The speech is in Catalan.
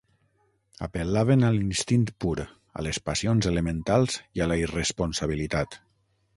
Apel·laven a l'instint pur, a les passions elementals i a la irresponsabilitat.